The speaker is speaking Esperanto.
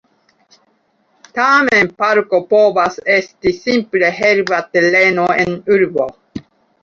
Tamen, parko povas esti simple herba tereno en urbo.